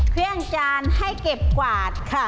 เครื่องจานให้เก็บกวาดค่ะ